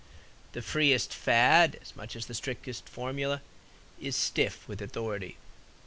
The freest fad, as much as the strictest formula, is stiff with authority.